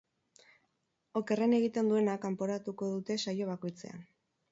Okerren egiten duena kanporatuko dute saio bakoitzean.